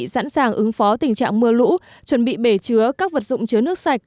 sẵn sàng ứng phó tình trạng mưa lũ chuẩn bị bể chứa các vật dụng chứa nước sạch